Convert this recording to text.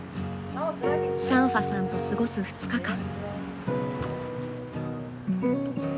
サンファさんと過ごす２日間。